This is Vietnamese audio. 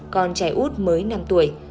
con trái út mới năm tuổi